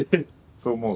そう思う？